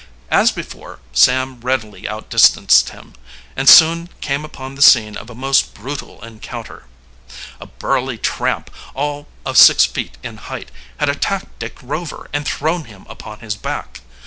As before, Sam readily outdistanced him, and soon came upon the scene of a most brutal encounter. A burly tramp, all of six feet in height, had attacked Dick Rover and thrown him upon his back.